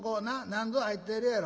なんぞ入ってるやろ。